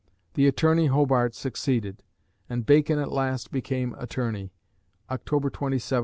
The Attorney Hobart succeeded, and Bacon at last became Attorney (October 27, 1613).